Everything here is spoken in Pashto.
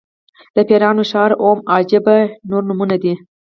د پیریانو ښار او اووم عجایب یې نور نومونه دي.